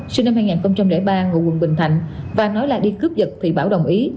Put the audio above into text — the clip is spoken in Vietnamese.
sinh năm hai nghìn ba ngụ quận bình thạnh và nói là đi cướp giật thì bảo đồng ý